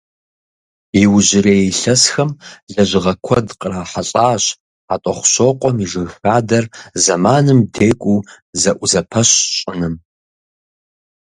Иужьрей илъэсхэм лэжьыгъэ куэд кърахьэлӏащ Хьэтӏохъущокъуэм и жыг хадэр зэманым декӏуу зэӏузэпэщ щӏыным.